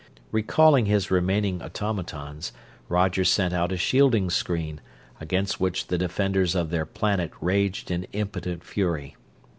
Recalling his remaining automatons, Roger sent out a shielding screen, against which the defenders of their planet raged in impotent fury.